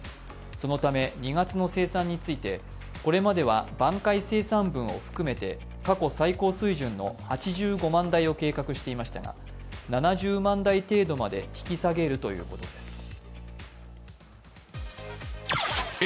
そのため２月の生産について、これまでは挽回生産分を含めて過去最高水準の８５万台を計画していましたが７０万台程度まで引き下げるということです。